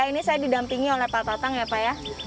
ini saya didampingi oleh pak tatang ya pak ya